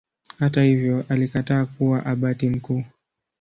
Hata hivyo alikataa kuwa Abati mkuu.